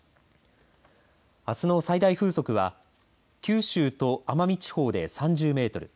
あすの最大風速は九州と奄美地方で３０メートル